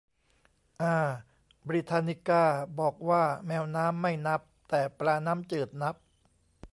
อา บริทานิกา บอกว่าแมวน้ำไม่นับ แต่ปลาน้ำจืดนับ